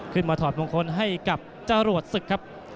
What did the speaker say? ถอดมงคลให้กับจรวดศึกครับ